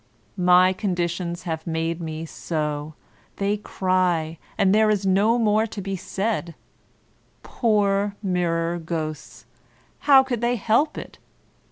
'*My conditions have made me so," they cry, and there is no more to be said ; poor mirror ghosts ! how could they help it